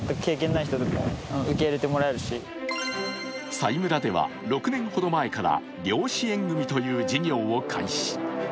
佐井村では６年ほど前から漁師縁組という事業を開始。